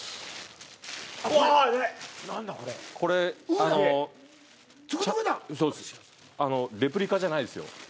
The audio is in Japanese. あのレプリカじゃないですよ。